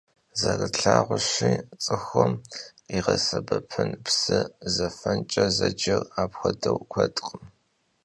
Zerıtlhağuşi, ts'ıxum khiğesebepın psı zefenç'e zecer apxuedeu kuedkhım.